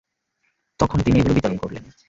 তখন তিনি এগুলো বিতরণ করলেন।